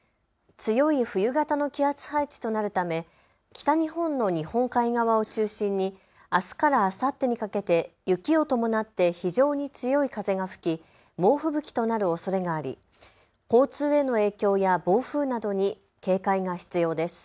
強い冬型の気圧配置となるため北日本の日本海側を中心にあすからあさってにかけて雪を伴って非常に強い風が吹き猛吹雪となるおそれがあり交通への影響や暴風などに警戒が必要です。